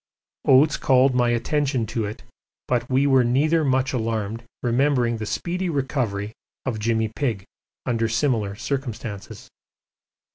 Oates called my attention to it, but we were neither much alarmed, remembering the speedy recovery of 'Jimmy Pigg' under similar circumstances.